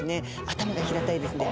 頭が平たいですんで。